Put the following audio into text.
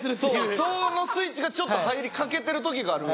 そのスイッチがちょっと入りかけてる時がある。